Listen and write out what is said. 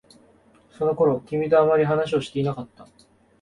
その頃、君とあまり話をしていなかった。